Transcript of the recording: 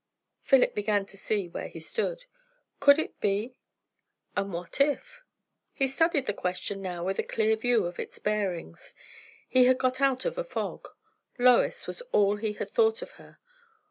Philip began to see where he stood. Could it be? and what if? He studied the question now with a clear view of its bearings. He had got out of a fog. Lois was all he had thought of her.